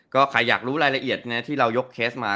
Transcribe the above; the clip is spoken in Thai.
ก็ใครอยากรู้รายละเอียดที่เรายกเคสมา